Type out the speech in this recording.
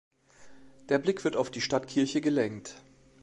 Der Blick wird auf die Stadtkirche gelenkt.